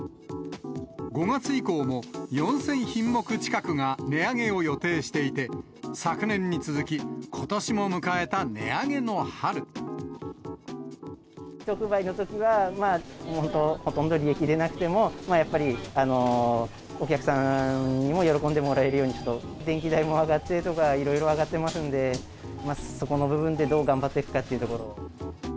５月以降も４０００品目近くが値上げを予定していて、昨年に続き、特売のときは、ほとんど利益出なくても、やっぱりお客さんにも喜んでもらえるようにちょっと、電気代も上がってるとか、いろいろ上がってますんで、そこの部分でどう頑張っていくかというところを。